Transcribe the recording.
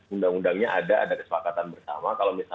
undang undangnya ada ada kesepakatan bersama